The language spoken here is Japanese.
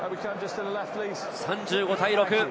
３５対６。